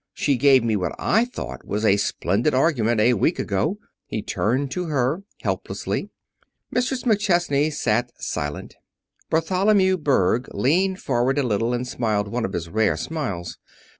She gave me what I thought was a splendid argument a week ago." He turned to her helplessly. Mrs. McChesney sat silent. Bartholomew Berg leaned forward a little and smiled one of his rare smiles.